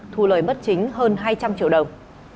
thu lời bất chính hơn hai trăm linh triệu đồng